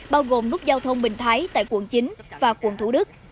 bao gồm nút giao thông bình thái tại quận chín và quận thủ đức